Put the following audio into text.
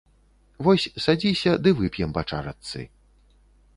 Вось садзіся ды вып'ем па чарачцы.